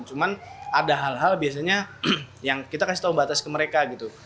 cuma ada hal hal biasanya yang kita kasih tahu batas ke mereka gitu